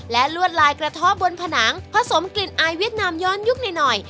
และลวดลายกระท่อบนผนังผสมกลิ่นอายเวียดนามย้อนยุคหน่อย